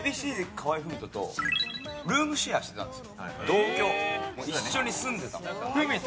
河合郁人とルームシェアしてたんです。